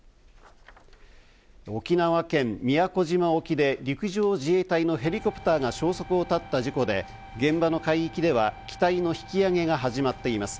沖縄県宮古島沖で陸上自衛隊のヘリコプターが消息を絶った事故で、現場の海域では機体の引き揚げが始まっています。